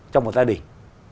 trong một gia đình